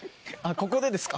ここでですか？